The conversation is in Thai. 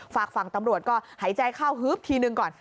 ฝากฝั่งตำรวจก็หายใจเข้าฮึบทีนึงก่อน